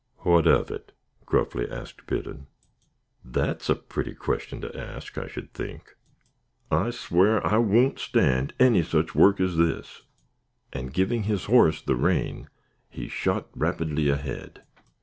"What of it?" gruffly asked Biddon. "That's a pretty question to ask, I should think! I swow I won't stand any such work as this." And giving his horse the rein, he shot rapidly ahead.